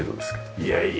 いやいや。